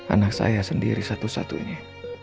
anak saya sendiri satu satunya